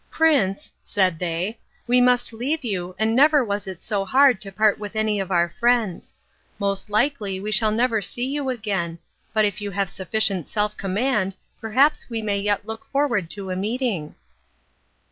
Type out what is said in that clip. "Prince," said they, "we must leave you, and never was it so hard to part from any of our friends. Most likely we shall never see you again, but if you have sufficient self command perhaps we may yet look forward to a meeting."